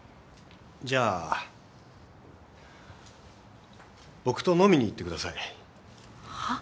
じゃあ僕と飲みに行ってください。はっ？